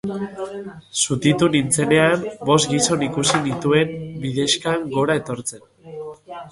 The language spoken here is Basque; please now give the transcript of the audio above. Zutitu nintzenean, bost gizon ikusi nituen bidexkan gora etortzen.